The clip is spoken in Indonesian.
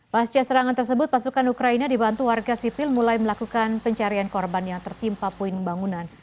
pasca serangan tersebut pasukan ukraina dibantu warga sipil mulai melakukan pencarian korban yang tertimpa poin pembangunan